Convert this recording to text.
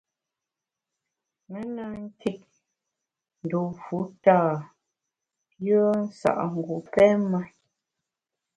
Me na nkit dû fu tâ yùe nsa’ngu pém me.